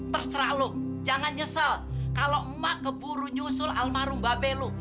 terserah lo jangan nyesel kalau emak keburu nyusul almarhum babel lo